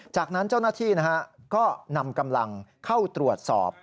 จากนั้นเจ้าหน้าที่ก็นำกำลังเข้าตรวจสอบ